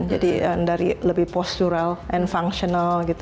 jadi dari lebih postural dan fungsional